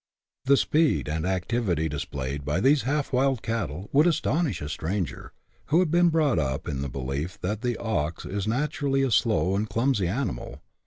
The speed and activity displayed by these half wild cattle would astonish a stranger, who had been brought up in the belief that the ox is naturally a slow and clumsy animal.